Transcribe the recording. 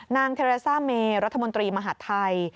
นางเทราซ่าเมย์รัฐมนตรีมหาธัย